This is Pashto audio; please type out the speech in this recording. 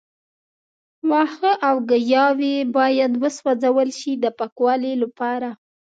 وښه او ګیاوې باید وسوځول شي د پاکوالي لپاره.